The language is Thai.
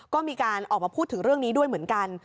ก็มีการออกมาพูดถึงเรื่องนี้ด้วยเหมือนกัน